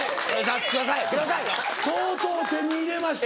とうとう手に入れました。